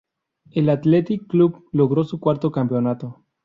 El Athletic Club logró su cuarto campeonato.